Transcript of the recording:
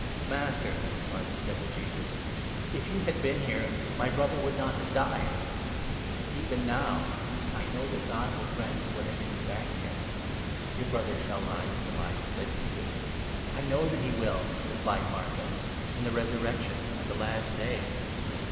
" Master," Martha said to Jesus, " if you had been here, my 21 brother would not have died. Even now, I know that God 22 will grant you whatever you ask him." " Your brother shall rise to life," said Jesus. 23 " I know that he will," replied Martha, " in the resurrection 24 at the Last Day."